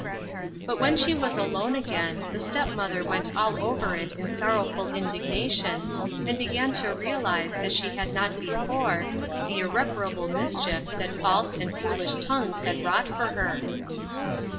But when she was alone again, the step mother went all over it in sorrowful indignation, and be gan to realize as she had not before, the irrepa rable mischief that false and foolish tongues had wrought for her.